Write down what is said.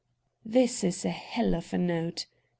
"This is a hell of a note!"